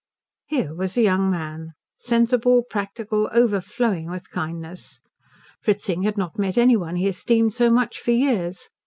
Here was a young man! Sensible, practical, overflowing with kindness. Fritzing had not met any one he esteemed so much for years.